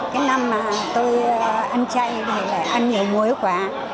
cái năm mà tôi ăn chay thì phải ăn nhiều muối quá